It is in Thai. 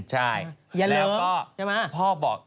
แล้วก็พ่อบอก